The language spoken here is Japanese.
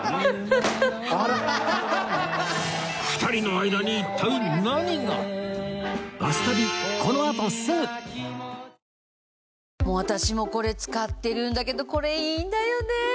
２人の間に私もこれ使ってるんだけどこれいいんだよね！